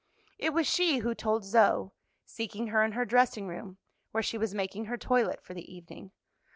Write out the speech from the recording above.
It was she who told Zoe, seeking her in her dressing room, where she was making her toilet for the evening.